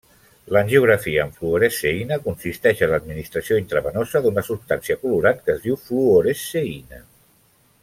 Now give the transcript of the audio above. L'angiografia amb fluoresceïna consisteix en l'administració intravenosa d'una substància colorant que es diu fluoresceïna.